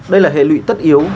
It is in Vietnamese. đây là hệ lụy tất yếu